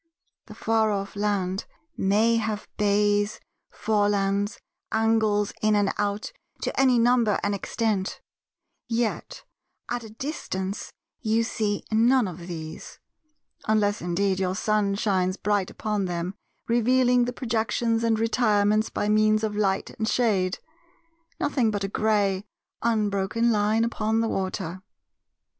The far off land may have bays, forelands, angles in and out to any number and extent; yet at a distance you see none of these (unless indeed your sun shines bright upon them revealing the projections and retirements by means of light and shade), nothing but a grey unbroken line upon the water.